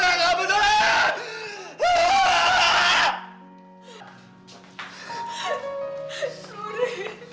rudy jangan begitu rudy